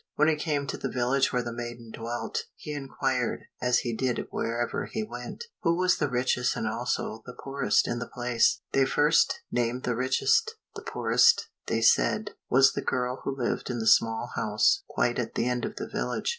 When he came to the village where the maiden dwelt, he inquired, as he did wherever he went, who was the richest and also the poorest girl in the place? They first named the richest; the poorest, they said, was the girl who lived in the small house quite at the end of the village.